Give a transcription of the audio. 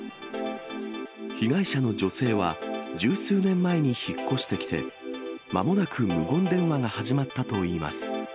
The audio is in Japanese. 被害者の女性は、十数年前に引っ越してきて、まもなく無言電話が始まったといいます。